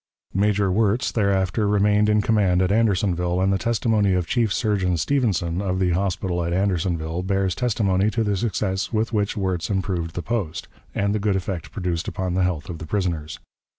Major Wirz thereafter remained in command at Andersonville, and the testimony of Chief Surgeon Stevenson, of the hospital at Andersonville, bears testimony to the success with which Wirz improved the post, and the good effect produced upon the health of the prisoners.